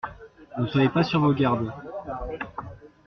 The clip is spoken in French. Ne soyez pas sur vos gardes.